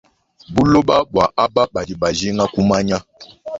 Buloba mbua aba badi bajinga kumanya.